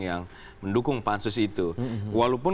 yang mendukung pansus itu walaupun